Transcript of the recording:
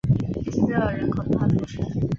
热尔人口变化图示